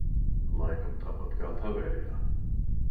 Laikam tāpat kā tavējā?